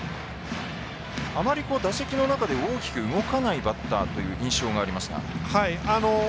あまり打席の中で大きく動かないバッターというイメージがあります。